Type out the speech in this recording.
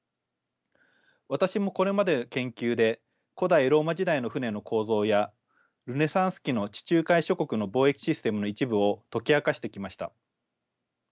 私もこれまでの研究で古代ローマ時代の船の構造やルネサンス期の地中海諸国の貿易システムの一部を解き明かしてきました。